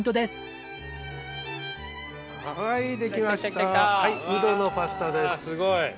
すごい。